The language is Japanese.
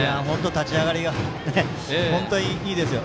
立ち上がり本当、いいですよ。